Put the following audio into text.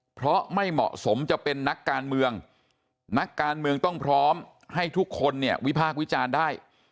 เพราะไม่เหมาะสมจะเป็นนักการเมืองนักการเมืองต้องพร้อมให้ทุกคนเนี่ยวิพากษ์วิจารณ์ได้